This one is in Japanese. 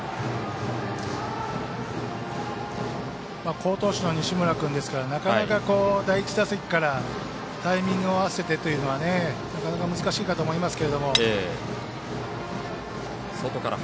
好投手の西村君ですからなかなか第１打席からタイミングを合わせてというのはなかなか難しいかと思いますけど。